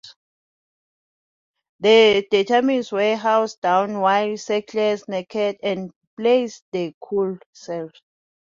The detainees were hosed down while shackled naked, and placed in cold cells.